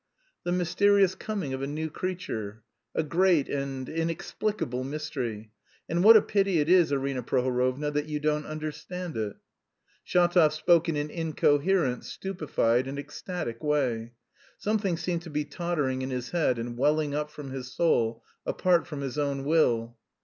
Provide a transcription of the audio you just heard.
"The mysterious coming of a new creature, a great and inexplicable mystery; and what a pity it is, Arina Prohorovna, that you don't understand it." Shatov spoke in an incoherent, stupefied and ecstatic way. Something seemed to be tottering in his head and welling up from his soul apart from his own will.